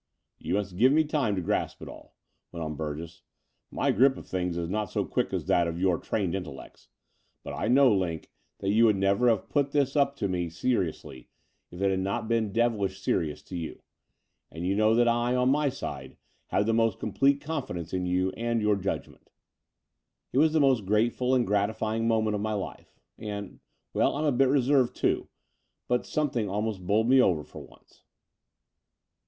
"You must give me time to grasp it all," went on Burgess. "My grip of things is not so quick as that of your trained intellects; but I know, Line, The Dower House 229 that you would never have put this up to me se riously if it had not been devilish serious to you, and you know that I, on my side, have the most complete confidence in you and your judgment." It was the most grateful and gratifying moment of my life, and — well, I'm a bit reserved, too, but something almost bowled me over for once.